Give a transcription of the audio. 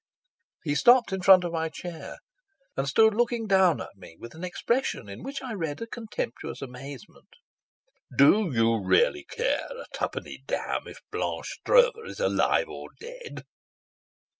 He stopped in front of my chair, and stood looking down at me with an expression in which I read a contemptuous amazement. "Do you really care a twopenny damn if Blanche Stroeve is alive or dead?"